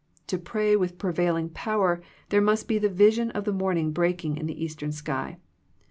To pray with prevailing power there must be the vision of the morning breaking in the Eastern sky.